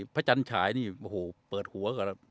พระจันทรายเปิดหัวต่อแล้ว